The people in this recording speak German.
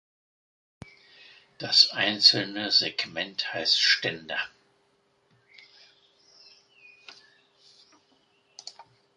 Das einzelne Segment heißt Ständer.